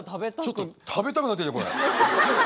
ちょっと食べたくなってきたこれ。